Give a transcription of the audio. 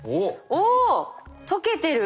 お解けてる？